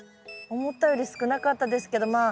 思ったより少なかったですけどまあ